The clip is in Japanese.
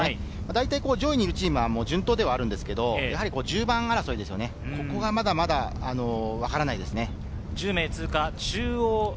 上位にいるチームは順当ではあるんですが、１０番争い、ここがまだまだ分からないですね。